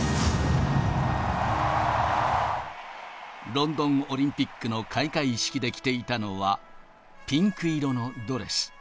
ロンドンオリンピックの開会式で着ていたのは、ピンク色のドレス。